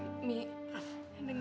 umi denger ya